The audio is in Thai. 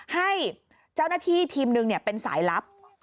ให้เจ้าหน้าที่ทีมหนึ่งเป็นสายลับ